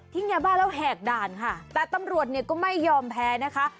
ยาบ้าแล้วแหกด่านค่ะแต่ตำรวจเนี่ยก็ไม่ยอมแพ้นะคะ